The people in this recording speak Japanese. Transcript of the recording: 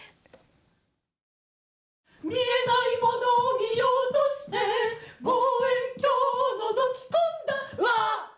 「見えないモノを見ようとして望遠鏡を覗き込んだ」わあ！